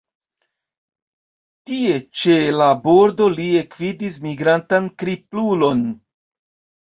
Tie ĉe la bordo li ekvidis migrantan kriplulon.